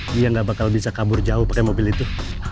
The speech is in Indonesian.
dia gak bakal bisa kabur jauh pake mobil itu